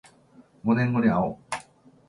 五年後にあおう